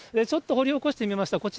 ちょっと掘り起こしてみました。